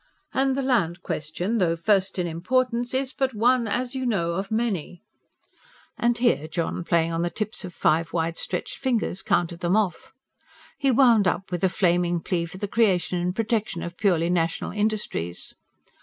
And the Land Question, though first in importance, is but one, as you know, of many" and here John, playing on the tips of five wide stretched fingers, counted them off. He wound up with a flaming plea for the creation and protection of purely national industries.